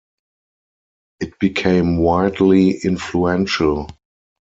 It became widely influential.